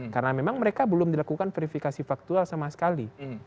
karena memang mereka belum dilakukan verifikasi faktual sama sekali